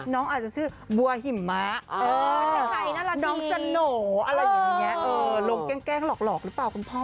น้องอาจจะชื่อบัวหิมะน้องสโหลลงแกล้งหลอกรึเปล่าคุณพ่อ